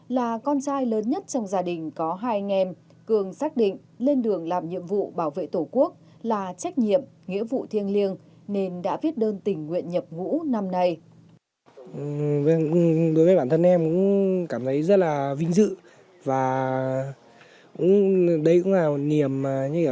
là con trai lớn nhất trong gia đình có hai anh em cường xác định lên đường làm nhiệm vụ bảo vệ tổ quốc là trách nhiệm nghĩa vụ thiêng liêng nên đã viết đơn tình nguyện nhập ngũ năm nay